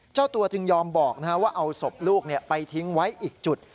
เจ้าตัวจึงยอมบอกว่าเอาศพลูกไปทิ้งไว้อีกจุด